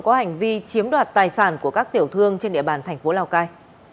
có hành vi chiếm đoạt tài sản của các tiểu thương trên địa bàn tp lào cai